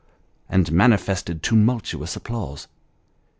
" and manifested tumultuous applause.